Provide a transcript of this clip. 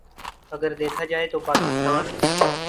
اگر دیکھا جائے تو پاکستان